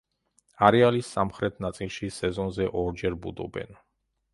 არეალის სამხრეთ ნაწილში სეზონზე ორჯერ ბუდობენ.